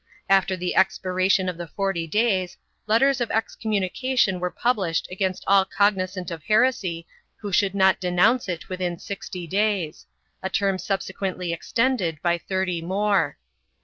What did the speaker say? After the expira tion of the forty days, letters of excommunication were published against all cognizant of heresy who should not denounce it within sixty days — a term subsequently extended by thirty more.